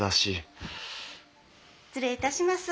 失礼いたします。